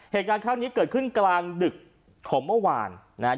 เหตุการณ์ครั้งนี้เกิดขึ้นกลางดึกของเมื่อวานนะฮะ